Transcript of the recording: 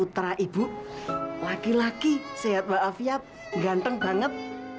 terima kasih banget